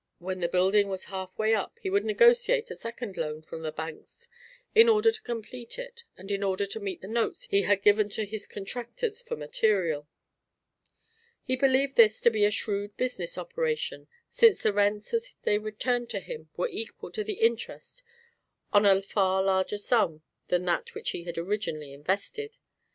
When the building was half way up he would negotiate a second loan from the banks in order to complete it and in order to meet the notes he had given to his contractors for material. He believed this to be a shrewd business operation, since the rents as they returned to him were equal to the interest on a far larger sum than that which he had originally invested.